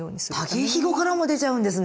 竹ひごからも出ちゃうんですね！